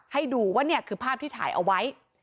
ให้ดูว่านี่คือภาพที่ถ่ายเอาไว้